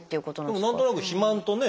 でも何となく肥満とね。